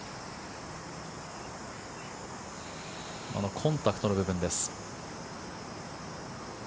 コンタクトの部分です。